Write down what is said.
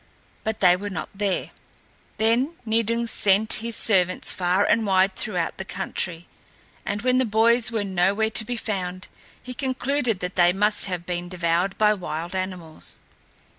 But they were not there. Then Nidung sent his servants far and wide throughout the country, and when the boys were nowhere to be found, he concluded that they must have been devoured by wild animals.